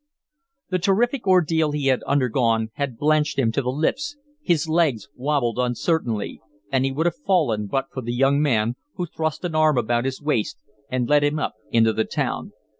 The terrific ordeal he had undergone had blanched him to the lips, his legs wabbled uncertainly, and he would have fallen but for the young man, who thrust an arm about his waist and led him up into the town.